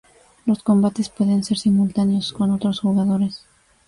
Los combates pueden ser simultáneos con otros jugadores.